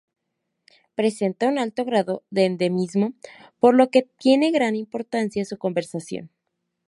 Presenta un alto grado de endemismo, por lo que tiene gran importancia su conservación.